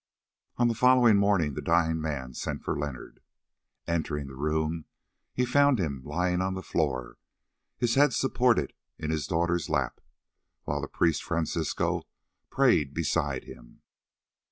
On the following morning the dying man sent for Leonard. Entering the room, he found him lying on the floor, his head supported in his daughter's lap, while the priest Francisco prayed beside him.